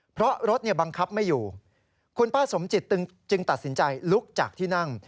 เพราะรถบังคับไม่อยู่คุณป้าสมจิตจึงตัดสินใจลุกจากที่นั่ง